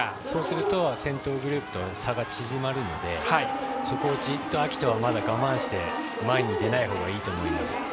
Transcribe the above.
そうすると、先頭グループと差が縮まるのでそこをじっと暁斗は我慢して前に出ないほうがいいと思います。